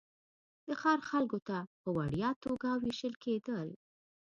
د ښار خلکو ته په وړیا توګه وېشل کېدل.